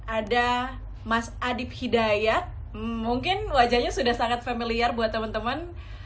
ada mas adib hidayat mungkin wajahnya sudah sangat familiar buat temen temen